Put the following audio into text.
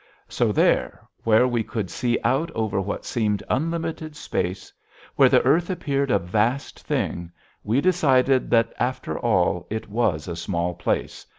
So there, where we could see out over what seemed unlimited space, where the earth appeared a vast thing, we decided that, after all, it was a small place.